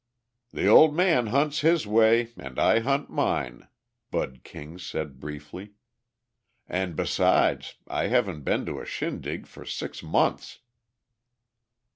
"The old man hunts his way and I hunt mine," Bud King said briefly. "And besides, I haven't been to a shindig for six months."